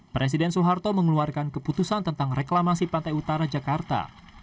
presiden soeharto mengeluarkan keputusan tentang reklamasi pantai utara jakarta